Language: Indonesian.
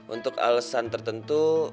untuk alesan tertentu